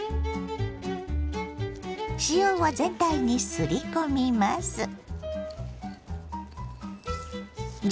塩を全体にすり込みます。